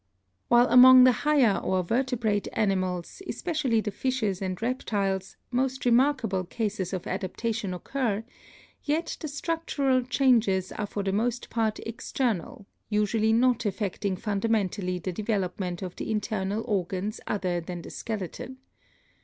While aming the higher or vertebrate animals, especially the fishes and reptiles, most remarkable cases of adapta tion occur, yet the structural changes are for the most part external, usually not affecting fundamentally the develop ment of the internal organs other than the skeleton.